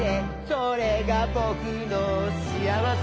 「それがぼくのしあわせ」